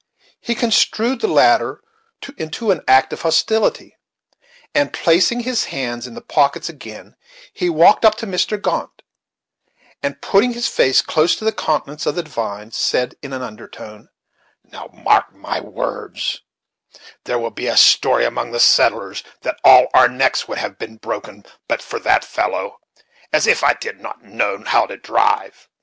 He construed the latter into an act of hostility, and, placing his hands in the pockets again, he walked up to Mr. Grant, and, putting his face close to the countenance of the divine, said in an undertone: "Now, mark my words there will be a story among the settlers, that all our necks would have been broken but for that fellow as if I did not know how to drive.